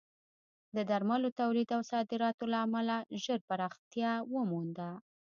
د درملو تولید او صادراتو له امله ژر پراختیا ومونده.